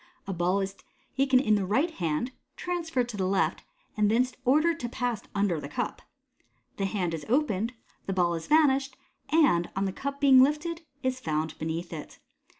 A ball is taken in the right hand, transferred to the left, and thence ordered to pass under the cup. The hand is opened, the ball has vanished, and, on the cup being lifted, is found beneath it.